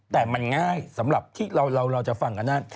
แต่มันง่ายสำหรับที่เราจะฟังกันนั่น